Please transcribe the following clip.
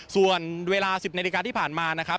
ส่วนเวลา๑๐นาฬิกาที่ผ่านมานะครับ